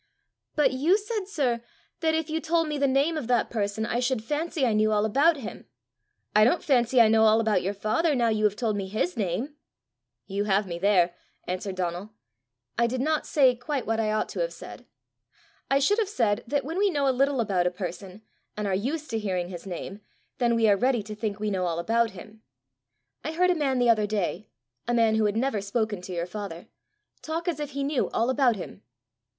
"But you said, sir, that if you told me the name of that person, I should fancy I knew all about him: I don't fancy I know all about your father now you have told me his name!" "You have me there!" answered Donal. "I did not say quite what I ought to have said. I should have said that when we know a little about a person, and are used to hearing his name, then we are ready to think we know all about him. I heard a man the other day a man who had never spoken to your father talk as if he knew all about him."